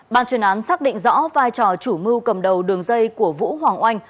bàn truyền án xác định rõ vai trò chủ mưu cầm đầu đường dây của vũ hoàng oanh